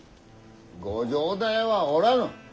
ご城代はおらぬ。